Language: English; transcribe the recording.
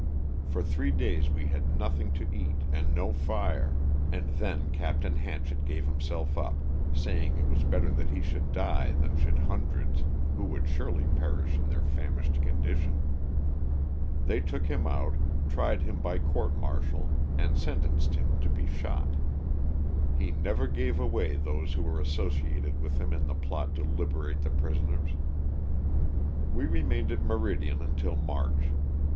For three days we had nothing to eat and no fire, and then Capt. Hanchett gave himself up, saying it was better that he should die than should hundreds, who would surely perish in their famished condition. They took him out, tried him by court martial and sentenced him to be shot. He never gave away those who were associated with him in the plot to liberate the pris oners. We remained at Meridian until March.